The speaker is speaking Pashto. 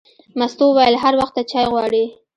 مستو وویل: هر وخت ته چای غواړې.